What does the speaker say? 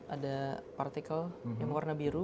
ada partikel yang warna biru